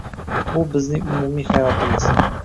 bu bizning umumiy hayotimiz